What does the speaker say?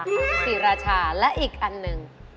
สับปะรดสิราชาแล้วอีกอันหนึ่ง